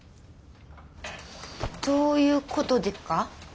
どういうことでっか？